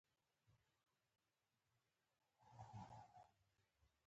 ټولګى : ب څلورم